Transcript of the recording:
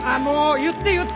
言って言って！